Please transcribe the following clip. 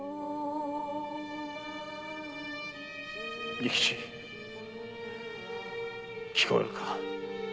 仁吉聴こえるか？